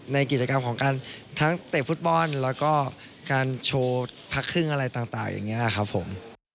ในกิจกรรมของการทั้งเตะฟุตบอลแล้วก็การโชว์พักครึ่งอะไรต่างอย่างนี้ครับผม